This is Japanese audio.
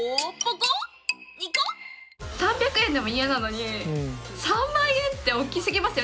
３００円でもイヤなのに３万円って大きすぎますよ。